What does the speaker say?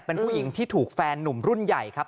เป็นผู้หญิงที่ถูกแฟนหนุ่มรุ่นใหญ่ครับ